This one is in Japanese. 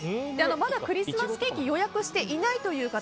まだクリスマスケーキ予約していないという方